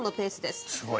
すごい。